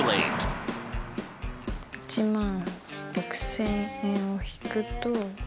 １６０００円を引くと。